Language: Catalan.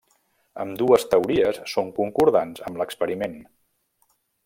Ambdues teories són concordants amb l'experiment.